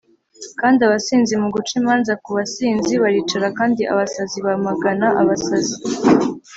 Kandi abasinzi mu guca imanza kubasinzi baricara kandi abasazi bamagana abasazi